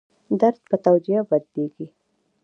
درد په توجیه بدلېږي.